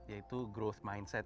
yaitu growth mindset